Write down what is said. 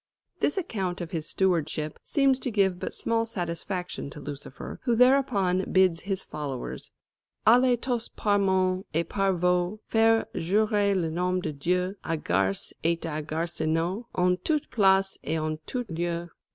This account of his stewardship seems to give but small satisfaction to Lucifer, who thereupon bids his followers "Allez tost par mons et par vaulx Faire jurer le nom de Dieu A garses et à garsonneaulx En toute place et en tout lieu.